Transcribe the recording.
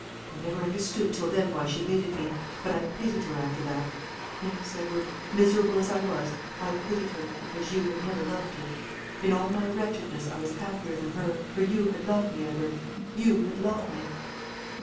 I never understood till then why she hated me: but I pitied her after that; yes, Edward, miserable as I was, I pitied her, because you had never loved her. In all my wretchedness I was happier than her; for you had loved me, Edward you had loved me!"